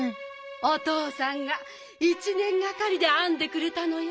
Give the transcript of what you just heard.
おとうさんが１ねんがかりであんでくれたのよ。